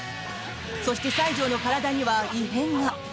そして、西条の体には異変が。